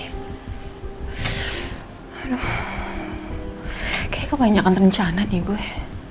kayaknya kebanyakan rencana nih gue